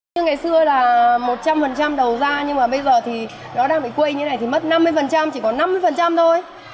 như ngày xưa là một trăm linh đầu ra nhưng mà bây giờ thì nó đang bị quây như thế này thì mất năm mươi chỉ có năm mươi thôi